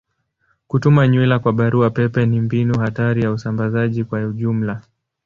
Kutuma nywila kwa barua pepe ni mbinu hatari ya usambazaji kwa ujumla.